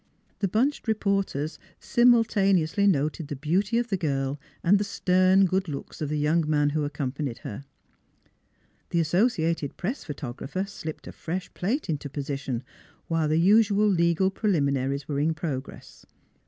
The bunched reporters simultaneously noted the beauty of the girl and the stern good looks of the young man who accompanied her. The associated press photographer slipped a fresh plate into position, while the usual legal pre liminaries were in progress. ...